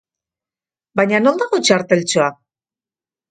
Baina, non dago txarteltxoa?